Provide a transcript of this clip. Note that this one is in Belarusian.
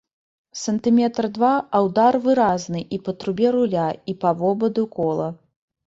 Сантыметр-два, а ўдар выразны і па трубе руля, і па вобаду кола.